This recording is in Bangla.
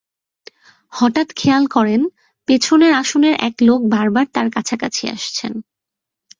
হঠাৎ খেয়াল করেন, পেছনের আসনের এক লোক বারবার তাঁর কাছাকাছি আসছেন।